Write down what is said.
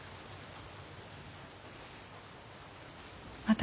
私